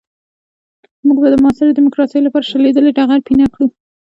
موږ به د معاصرې ديموکراسۍ لپاره شلېدلی ټغر پينه کړو.